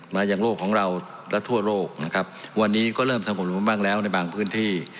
มายังโรคของเราและทั่วโรคนะครับวันนี้ก็เริ่มสรรคสมมุมมากแล้วในบางพื้นที่